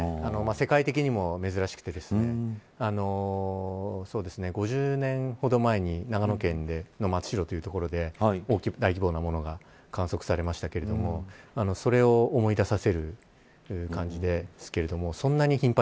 世界的にも珍しくて５０年ほど前に、長野県の松代という所で大規模なものが観測されましたけれどもそれを思い出させる感じですけれども。